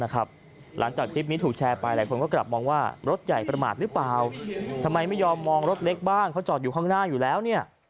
นะครับหลังจากทิมริถูกแชร์ไปถูกบอกว่านรถใหญ่ประมาณรึเปล่าทำไมไม่ยอมมองรถเล็กบ้างเขาจอดอยู่ข้างหน้าอยู่แล้วเนี่ย